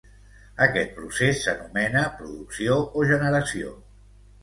Aquest procés s'anomena producció o generació.